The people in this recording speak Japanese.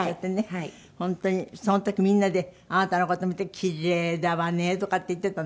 本当にその時みんなであなたの事を見て「キレイだわね！」とかって言ってたのよ